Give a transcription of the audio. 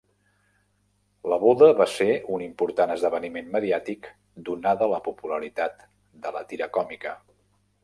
La boda va ser un important esdeveniment mediàtic, donada la popularitat de la tira còmica.